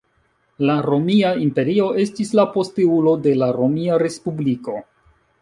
La romia imperio estis la posteulo de la Romia Respubliko.